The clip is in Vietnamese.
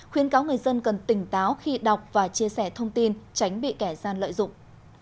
khuyến cáo người dân cần tỉnh táo khi đọc và chia sẻ thông tin tránh bị kẻ gian lợi dụng